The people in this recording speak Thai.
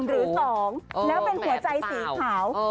แล้วเป็นหัวใจสีขาว